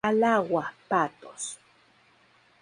¡Al agua, patos!